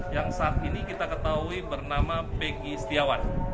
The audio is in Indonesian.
yang saat ini kita ketahui bernama peggy setiawan